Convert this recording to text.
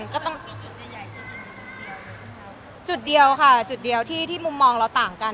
ก็ต้องจุดเดียวค่ะจุดเดียวที่มุมมองเราต่างกัน